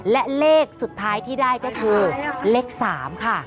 และเลขสุดท้ายที่ได้ก็คือเลข๓ค่ะ